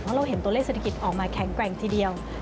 เพราะเราเห็นตัวเลขเศรษฐกิจออกมาแข็งแกร่งทีเดียว